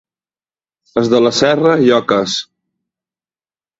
Els de la Serra, lloques.